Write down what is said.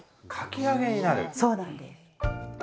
そうなんです。